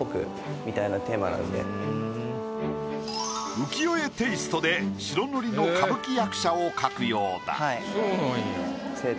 浮世絵テイストで白塗りの歌舞伎役者を描くようだ。